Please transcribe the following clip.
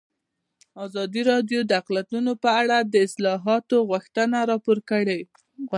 ازادي راډیو د اقلیتونه په اړه د اصلاحاتو غوښتنې راپور کړې.